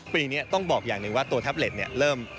ปีนี้ต้องบอกอย่างหนึ่งว่าตัวแท็บเล็ตเริ่ม